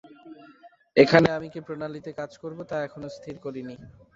এখানে আমি কি প্রণালীতে কাজ করব, তা এখনও স্থির করিনি।